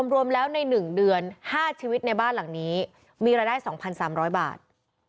รวมแล้วใน๑เดือน๕ชีวิตในบ้านหลังนี้มีรายได้๒๓๐๐บาท